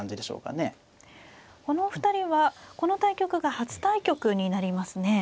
このお二人はこの対局が初対局になりますね。